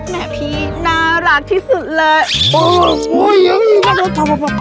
แม่พี่น่ารักที่สุดเลยโอ้ยโอ้ยโอ้ยโอ้ยโอ้ยโอ้ย